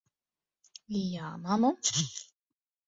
Jā, mammu?